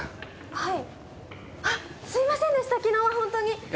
はい？